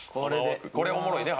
これおもろいね。